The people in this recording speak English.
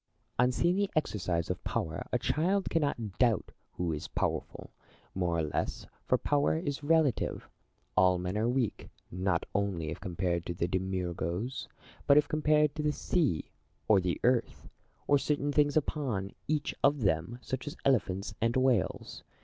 Plato. On seeing the exercise of power, a child cannot doubt who is powerful, more or less ; for power is relative. All men are weak, not only if compared to the DIOGENES AND PLATO. 175 Demiurgos, but if compared to the sea or the earth, or certain things upon each of them, such as elephants and whales.